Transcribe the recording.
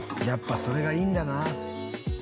「やっぱそれがいいんだな」